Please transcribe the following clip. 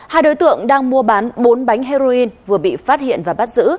hai đối tượng đang mua bán bốn bánh heroin vừa bị phát hiện và bắt giữ